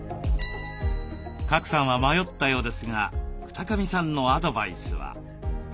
賀来さんは迷ったようですが二神さんのアドバイスは。